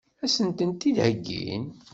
Ad sen-tent-id-heggin?